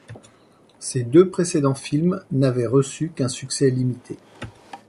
Ses deux précédents films n'avaient reçu qu'un succès limité.